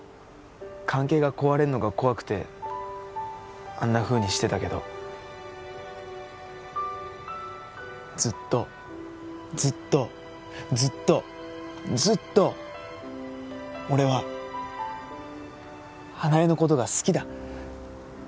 関係が壊れるのが怖くてあんなふうにしてたけどずっとずっとずっとずっと俺は花枝のことが好きだ